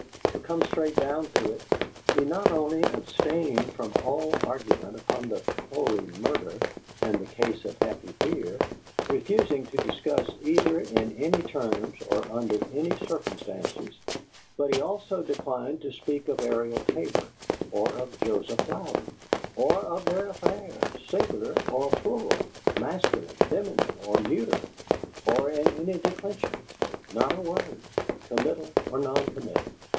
To come straight down to it: he not only abstained from all argument upon the "Cory Murder" and the case of Happy Fear, refusing to discuss either in any terms or under any circumstances, but he also declined to speak of Ariel Tabor or of Joseph Louden; or of their affairs, singular or plural, masculine, feminine, or neuter, or in any declension. Not a word, committal or non committal.